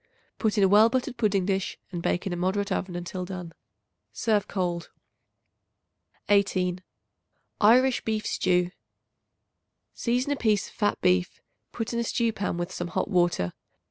Put in a well buttered pudding dish and bake in a moderate oven until done. Serve cold. 18. Irish Beef Stew. Season a piece of fat beef; put in a stew pan with some hot water.